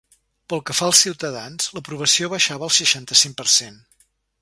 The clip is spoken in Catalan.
Pel que fa als ciutadans, l’aprovació baixava al seixanta-cinc per cent.